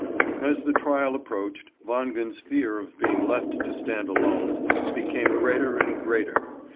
As the trial approached, Wangen's fear of being left to stand alone became greater and greater.